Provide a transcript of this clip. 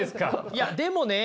いやでもね